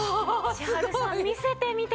千春さん見せてみてください。